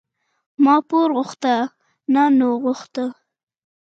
ما پور غوښته، تا نور غوښته.